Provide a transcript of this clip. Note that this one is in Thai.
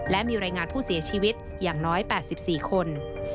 และมีรายงานผู้เสียชีวิตอย่างน้อย๘๔คน